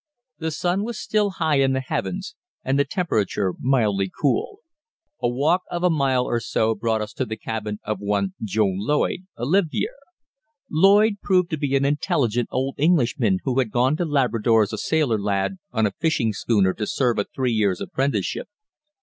The sun was still high in the heavens, and the temperature mildly cool. A walk of a mile or so brought us to the cabin of one Joe Lloyd, a livyere. Lloyd proved to be an intelligent old Englishman who had gone to Labrador as a sailor lad on a fishing schooner to serve a three years' apprenticeship.